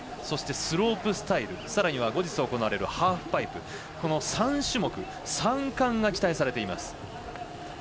そして、スロープスタイルそして後日行われるハーフパイプ、この３種目３冠が期待されています。